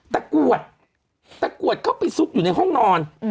กรวดตะกรวดเข้าไปซุกอยู่ในห้องนอน